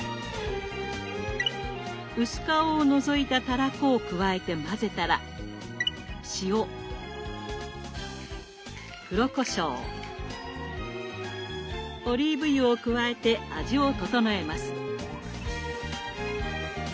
薄皮をのぞいたたらこを加えて混ぜたら塩黒こしょうオリーブ油を加えて味を調えます。